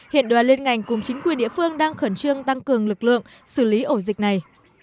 hiện đoàn liên ngành cùng chính quyền địa phương đang khẩn trương tăng cường lực lượng xử lý ổ dịch này